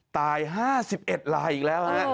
ตาย๕๑ลายอีกแล้วฮะ